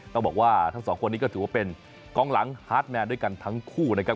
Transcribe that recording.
ต้องบอกว่าทั้งสองคนนี้ก็ถือว่าเป็นกองหลังฮาร์ดแมนด้วยกันทั้งคู่นะครับ